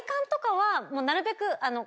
なるべく。